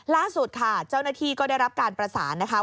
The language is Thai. ล่าสุดค่ะเจ้าหน้าที่ก็ได้รับการประสานนะคะ